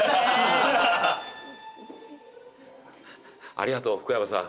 ありがとう福山さん。